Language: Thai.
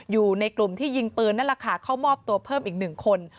อยู่ในกลุ่มที่ยิงปืนและราคาเข้ามอบตัวเพิ่มอีก๑คน